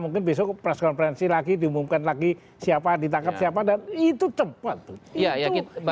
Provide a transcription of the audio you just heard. mungkin besok press conferensi lagi diumumkan lagi siapa ditangkap siapa dan itu cepat